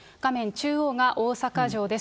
中央が大阪城です。